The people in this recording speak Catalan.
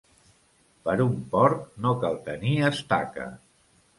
Per un porc no cal tenir estaca.